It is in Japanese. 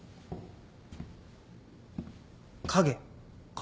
影。